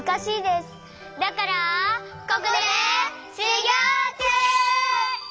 ここでしゅぎょうちゅう！